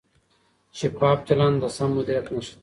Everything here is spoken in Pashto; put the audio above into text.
شفاف چلند د سم مدیریت نښه ده.